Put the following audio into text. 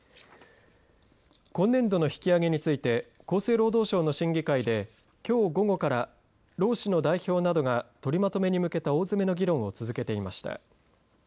今年度の引き上げについて厚生労働省の審議会できょう午後から労使の代表などが取りまとめに向けた大詰めの議論を続けていました。